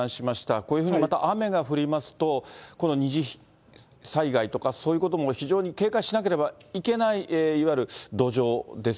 こういうふうにまた雨が降りますと、二次災害とか、そういうことも非常に警戒しなければいけない、いわゆる土壌です